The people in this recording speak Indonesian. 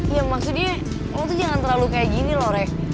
ya maksudnya orang tuh jangan terlalu kayak gini loh rek